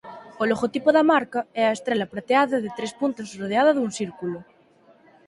O logotipo da marca é a estrela prateada de tres puntas rodeada dun círculo.